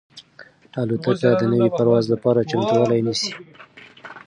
الوتکه د نوي پرواز لپاره چمتووالی نیسي.